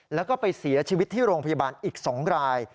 แล้วก็ไปเสียชีวิตที่โรงพยาบาลอีก๒ราย